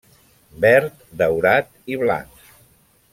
Verd, daurat i blanc.